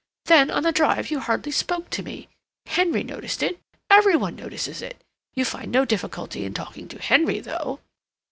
Then, on the drive you hardly spoke to me. Henry noticed it. Every one notices it.... You find no difficulty in talking to Henry, though."